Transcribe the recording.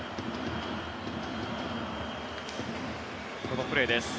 このプレーです。